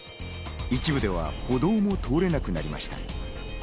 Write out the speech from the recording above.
一部では歩道も通れなくなりました。